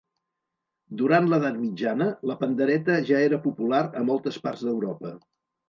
Durant l’edat mitjana, la pandereta ja era popular a moltes parts d’Europa.